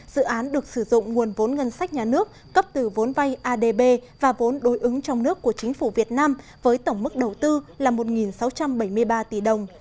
dự án được sử dụng nguồn vốn ngân sách nhà nước cấp từ vốn vay adb và vốn đối ứng trong nước của chính phủ việt nam với tổng mức đầu tư là một sáu trăm bảy mươi ba tỷ đồng